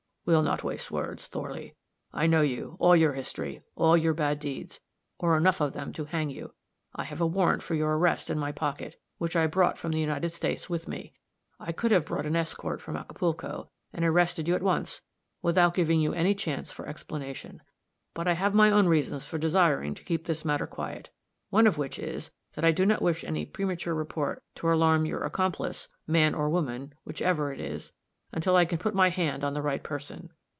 "We'll not waste words, Thorley. I know you, all your history, all your bad deeds or enough of them to hang you. I have a warrant for your arrest in my pocket, which I brought from the States with me. I could have brought an escort from Acapulco, and arrested you at once, without giving you any chance for explanation. But I have my own reasons for desiring to keep this matter quiet one of which is that I do not wish any premature report to alarm your accomplice, man or woman, whichever it is, until I can put my hand on the right person."